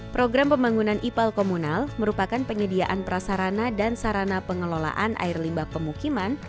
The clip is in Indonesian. program pembangunan ipal komunal merupakan penyediaan prasarana dan sarana pengelolaan air limbah pemukiman